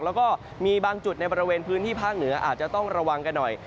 แล้วก็มีบางจุดในบริเวณพื้นที่ภาคเหนืออาจจะต้องระวังกันหน่อย